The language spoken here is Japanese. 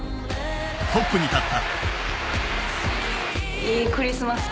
トップに立った。